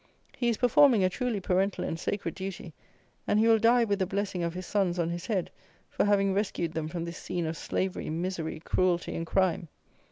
He is performing a truly parental and sacred duty; and he will die with the blessing of his sons on his head for having rescued them from this scene of slavery, misery, cruelty, and crime.